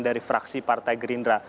dari fraksi partai gerindra